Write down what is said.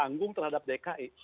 mengunggung terhadap dki